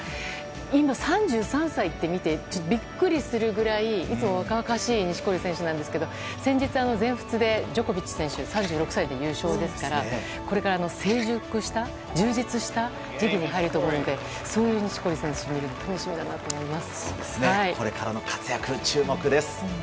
今３３歳って見てビックリするぐらいいつも若々しい錦織選手ですが先日、全仏でジョコビッチ選手３６歳で優勝ですからこれから成熟した、充実した時期に入ると思うのでそういう錦織選手を見るのが楽しみだなと思います。